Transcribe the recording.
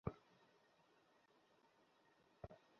নইলে ভালো হবে না।